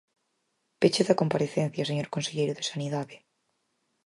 Peche da comparecencia, señor conselleiro de Sanidade.